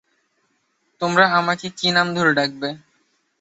তোমরা আমাকে কী নাম ধরে ডাকবে?